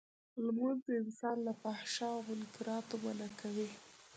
لمونځ انسان له فحشا او منکراتو منعه کوی.